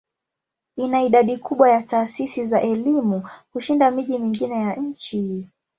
Ina idadi kubwa ya taasisi za elimu kushinda miji mingine ya nchi.